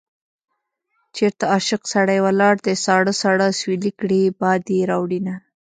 چېرته عاشق سړی ولاړ دی ساړه ساړه اسويلي کړي باد يې راوړينه